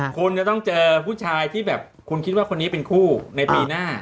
คุณจะต้องเจอผู้ชายที่แบบคุณคิดว่าคนนี้เป็นคู่ในปีหน้า